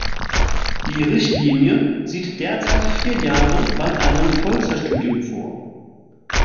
Die Richtlinie sieht derzeit vier Jahre bei einem Vollzeitstudium vor.